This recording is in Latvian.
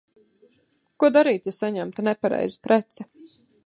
Ko darīt, ja saņemta nepareiza prece?